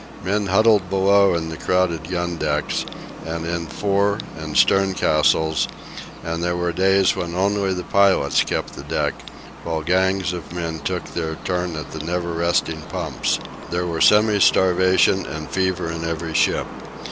Men huddled below in the crowded gundecks, and in fore and stern castles, and there were days when only the pilots kept the deck, while gangs of men took their turn at the never resting pumps. There were semi starvation and fever in every ship.